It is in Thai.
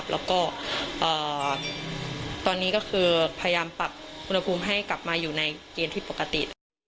แล้วก็ตอนนี้ก็คือพยายามปรับอุณหภูมิให้กลับมาอยู่ในเกณฑ์ที่ปกติ